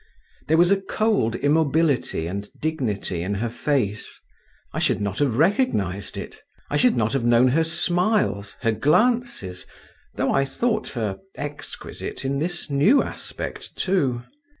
There was a cold immobility and dignity in her face. I should not have recognised it; I should not have known her smiles, her glances, though I thought her exquisite in this new aspect too.